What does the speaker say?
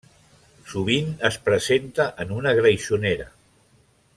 Sovint es presenta en una greixonera.